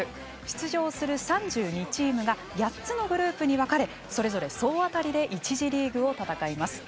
出場する３２チームが８つのグループに分かれそれぞれ総当たりで１次リーグを戦います。